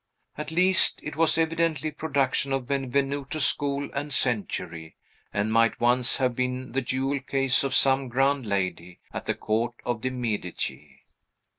At least, it was evidently a production of Benvenuto's school and century, and might once have been the jewel case of some grand lady at the court of the De' Medici.